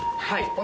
はい。